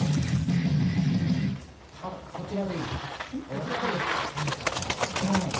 こちらでいいの？